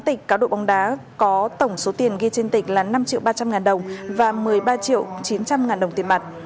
hai tịch cá độ bóng đá có tổng số tiền ghi trên tịch là năm triệu ba trăm linh ngàn đồng và một mươi ba triệu chín trăm linh ngàn đồng tiền mặt